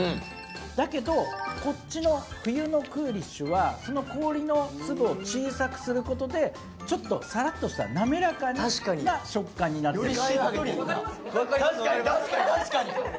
だけどこっちの冬のクーリッシュは、その氷の粒を小さくすることでちょっとさらっとした滑らかな食感になっています。